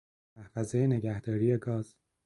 محفظه نگهداری گاز